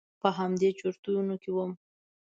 په همدې چرتونو کې وم.